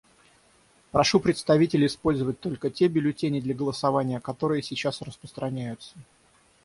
Прошу представителей использовать только те бюллетени для голосования, которые сейчас распространяются.